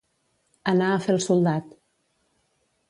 Anar a fer el soldat.